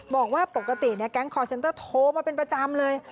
บอกว่าปกติแก๊งคอร์เซ็นเตอร์โทรมาเป็นประจำเลย